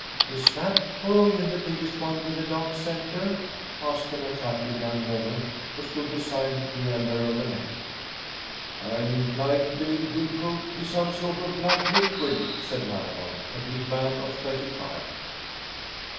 ] "Is that coal in the biggest one with the dark center?" asked an attractive young woman who stood beside the elder of the men. "I am inclined to believe it will prove to be some sort of black liquid," said Marable, a big man of thirty five.